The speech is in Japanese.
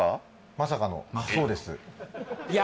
まさかのそうですいや